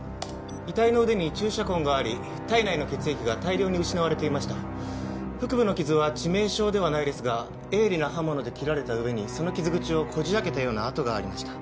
遺体の腕に注射痕があり体内の血液が大量に失われていました腹部の傷は致命傷ではないですが鋭利な刃物で切られた上にその傷口をこじ開けたような痕がありました